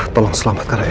tolong selamatkan aku ya